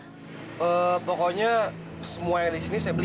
eeeh pokoknya semua yang disini saya beli